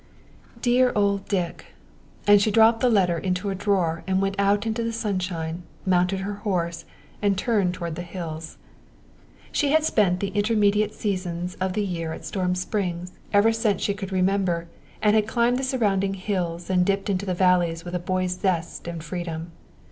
"Dear old Dick!" and she dropped the letter into a drawer and went out into the sunshine, mounted her horse and turned toward the hills. She had spent the intermediate seasons of the year at Storm Springs ever since she could remember, and had climbed the surrounding hills and dipped into the valleys with a boy's zest and freedom.